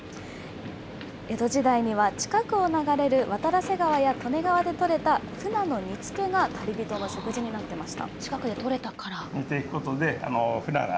江戸時代には、近くを流れる渡良瀬川や利根川で取れたふなの煮つけが旅人の食事になっていました。